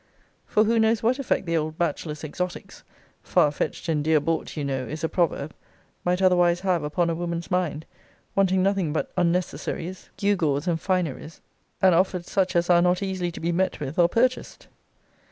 For who knows what effect the old bachelor's exotics [far fetched and dear bought you know is a proverb] might otherwise have upon a woman's mind, wanting nothing but unnecessaries, gewgaws, and fineries, and offered such as are not easily to be met with, or purchased?